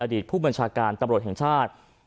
อดีตผู้บัญชาการตำรวจแห่งชาติ